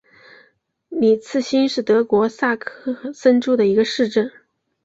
里茨兴是德国萨克森州的一个市镇。